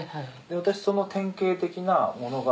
私その典型的なものが。